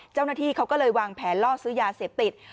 เจ้าหน้าที่เขาก็เลยวางแผนล่อซื้อยาเสพติด